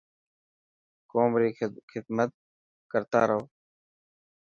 قوم ري خدمت ڪرتارهو.